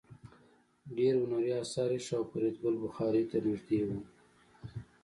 ډېر هنري اثار ایښي وو او فریدګل بخارۍ ته نږدې و